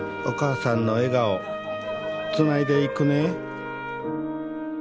お母さんの笑顔つないでいくね